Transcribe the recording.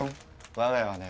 わが家はね